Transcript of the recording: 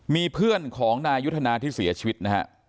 มีเพื่อนของนายยุทธนาที่เสียชีวิตนะฮะ